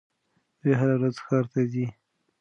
دوی هره ورځ ښار ته ځي.